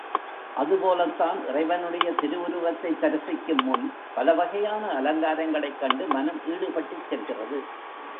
அது போலத்தான் இறைவனுடைய திருவுருவத்தைத் தரிசிக்கும் முன் பலவகையான அலங்காரங்களைக் கண்டு மனம் ஈடுபட்டுச் செல்கிறது.